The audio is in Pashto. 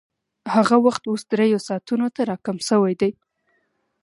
هغه وخت اوس درېیو ساعتونو ته راکم شوی دی